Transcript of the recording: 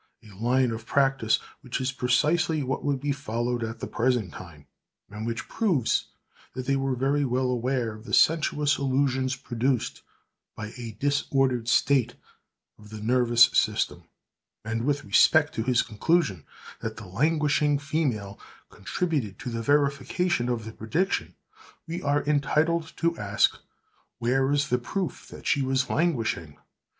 —a line of practice which is precisely what would be followed at the present time, and which proves that they were very well aware of the sensuous illusions produced by a disordered state of the nervous system; and with respect to his conclusion that the "languishing female" contributed to the verification of the prediction, we are entitled to ask, where is the proof that she was languishing?